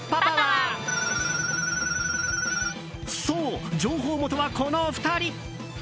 そう、情報元はこの２人。